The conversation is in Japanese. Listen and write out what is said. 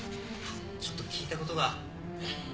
ちょっと聞いたことが。